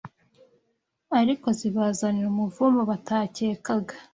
ariko zibazanira umuvumo batakekaga